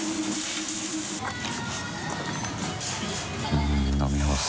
うん飲み干す。